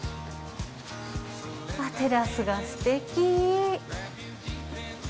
テラスがすてき。